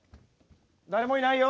誰もいないよ。